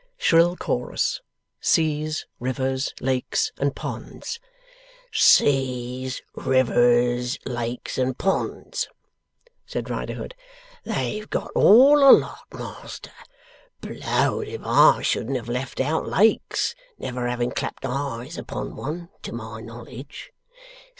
Shrill chorus: 'Seas, rivers, lakes, and ponds.' 'Seas, rivers, lakes, and ponds,' said Riderhood. 'They've got all the lot, Master! Blowed if I shouldn't have left out lakes, never having clapped eyes upon one, to my knowledge.